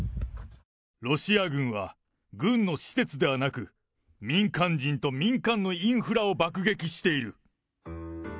ロシア軍は、軍の施設ではなく、民間人と民間のインフラを爆撃している。